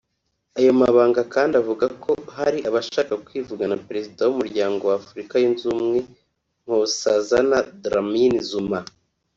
Ayo mabanga kandi avuga ko hari abashakaga kwivugana Perezida w’Umuryango wa Afurika yunze Ubumwe Nkosazana Dlamini-Zuma